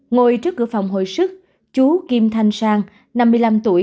ngồi trước cửa phòng hội sức chú kim thanh sang năm mươi năm tuổi